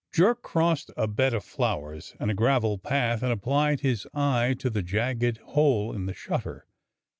Jerk crossed a bed of flowers and a gravel path and applied his eye to the jagged hole in the shutter.